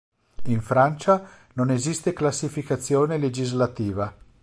In Francia non esiste classificazione legislativa.